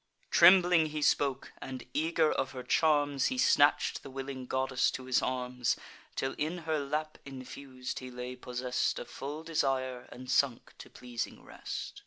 Trembling he spoke; and, eager of her charms, He snatch'd the willing goddess to his arms; Till in her lap infus'd, he lay possess'd Of full desire, and sunk to pleasing rest.